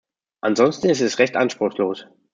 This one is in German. Ansonsten ist es recht anspruchslos.